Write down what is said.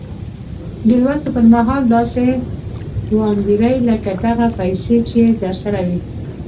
د لوستو پر مهال داسې وانګيرئ لکه دغه پيسې چې درسره وي.